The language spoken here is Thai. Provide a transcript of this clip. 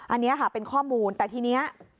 อันนี้ค่ะเป็นข้อมูลแต่ทีนี้